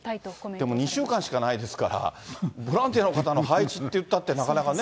でも、２週間しかないですから、ボランティアの方の配置っていったって、なかなかね。